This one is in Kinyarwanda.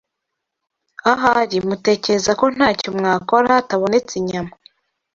Ahari mutekereza ko ntacyo mwakora hatabonetse inyama